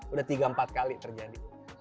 udah tiga empat kali terjadi